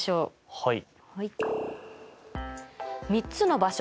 はい。